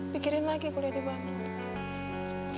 pikirin lagi kuliah di mana